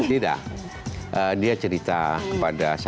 tidak dia cerita kepada saya